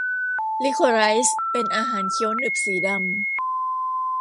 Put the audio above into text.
ลิโคไรซ์เป็นอาหารเคี้ยวหนึบสีดำ